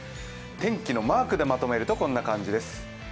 天気のマークでまとめるとこんな感じです。